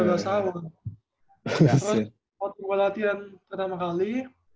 terus waktu latihan pertama kali